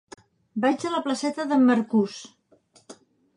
Vaig a la placeta d'en Marcús.